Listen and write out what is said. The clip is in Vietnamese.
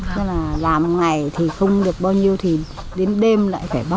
thế là làm ngày thì không được bao nhiêu thì đến đêm lại phải bóc